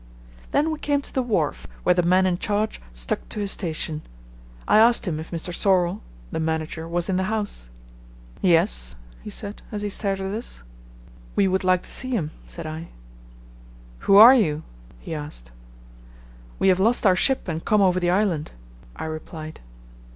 Then we came to the wharf, where the man in charge stuck to his station. I asked him if Mr. Sorlle (the manager) was in the house. "Yes," he said as he stared at us. "We would like to see him," said I. "Who are you?" he asked. "We have lost our ship and come over the island," I replied.